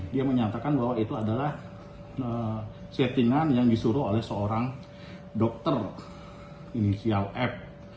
dia menyatakan bahwa itu adalah settingan yang disuruh oleh seorang dokter inisial f